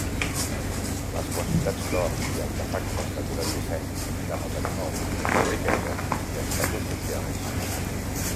Les quantitats d'or i d'artefactes d'acurat disseny denoten honor, riquesa i estatus social.